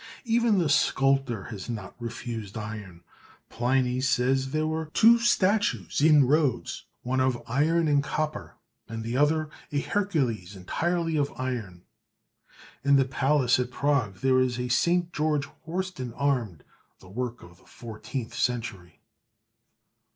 Even the sculptor has not refused iron. Pliny says there were two statues in Rhodes, one of iron and copper, and the other, a Hercules, entirely of iron. In the palace at Prague there is a St. George horsed and armed, the work of the fourteenth century.